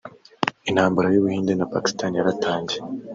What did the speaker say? Intambara y’ubuhinde na Pakistan yaratangiye